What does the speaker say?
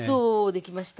できました。